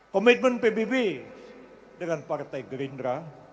komitmen pbb dengan partai gerindra